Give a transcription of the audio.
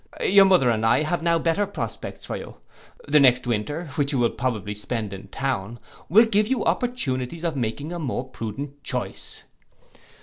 Your mother and I have now better prospects for you. The next winter, which you will probably spend in town, will give you opportunities of making a more prudent choice.